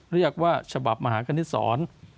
เรียกว่าฉบับมหาคณิตศร